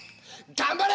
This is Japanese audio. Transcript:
頑張れ！